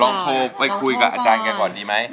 โทรไปคุยกับอาจารย์แกก่อนดีไหม